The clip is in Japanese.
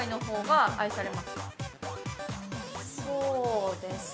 ◆そうです。